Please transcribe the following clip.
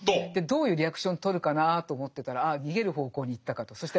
どういうリアクションとるかなぁと思ってたらあ逃げる方向に行ったかと。